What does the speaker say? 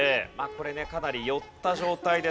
これねかなり寄った状態ですけど。